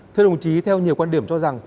thưa đồng chí theo nhiều quan điểm cho rằng